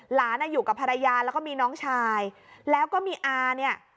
หลานอยู่กับภรรยาแล้วก็มีน้องชายแล้วก็มีอาเนี่ย